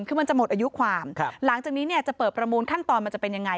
คือมันจะหมดอายุความหลังจากนี้เนี่ยจะเปิดประมูลขั้นตอนมันจะเป็นยังไง